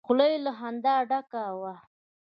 خوله يې له خندا ډکه وه.